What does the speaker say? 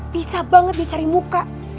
bukan dia kagum banget dia cari muka